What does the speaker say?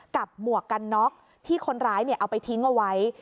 หมวกกันน็อกที่คนร้ายเอาไปทิ้งเอาไว้